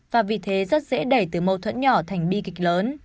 và vì thế rất dễ đẩy từ mâu thuẫn nhỏ thành bi kịch lớn